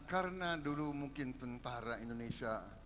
karena dulu tentara indonesia